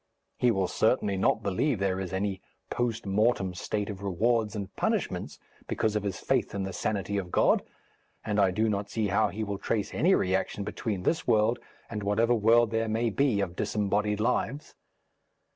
He will certainly not believe there is any post mortem state of rewards and punishments because of his faith in the sanity of God, and I do not see how he will trace any reaction between this world and whatever world there may be of disembodied lives.